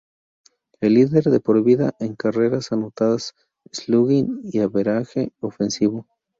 Líder de por vida en carreras anotadas, slugging y average ofensivo.